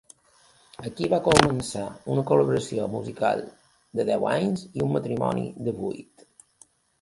Aquí va començar una col·laboració musical de deu anys i un matrimoni de vuit.